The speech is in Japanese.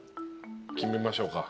決めましょうか。